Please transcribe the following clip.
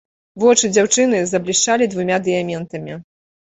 Вочы дзяўчыны заблішчалі двума дыяментамі.